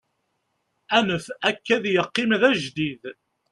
anef akka ad yeqqim d ajdid